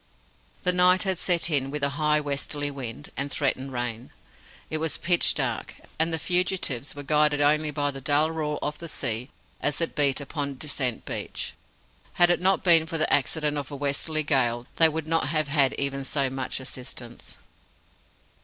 The night had set in with a high westerly wind, and threatened rain. It was pitch dark; and the fugitives were guided only by the dull roar of the sea as it beat upon Descent Beach. Had it not been for the accident of a westerly gale, they would not have had even so much assistance.